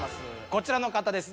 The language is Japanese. こちらの方です。